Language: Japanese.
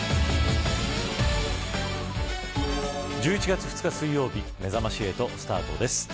１１月２日水曜日めざまし８スタートです。